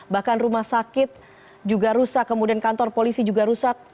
bahkan rumah sakit juga rusak kemudian kantor polisi juga rusak